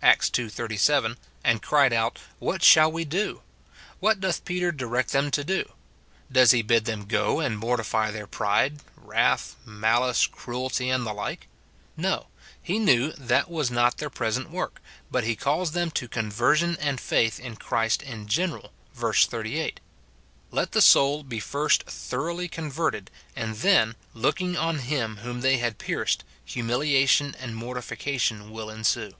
Acts ii. 37, and cried out, "What shall we do ?" what doth Peter direct them to do ? Does SIN IN BELIEVERS. 205 he bid them go and mortify their pride, wrath, malice, cruelty, and the like ? No ; he knew that was not their present work, but he calls them to conversion and faith in Christ in general, verse 38. Let the soul be first thoroughly converted, and then, " looking on Him whom they had pierced," humiliation and mortification will en sue.